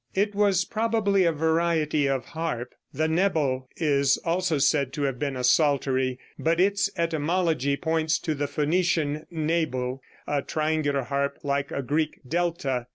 It was probably a variety of harp. The nebel is also said to have been a psaltery, but its etymology points to the Phoenician nabel, a triangular harp like a Greek delta.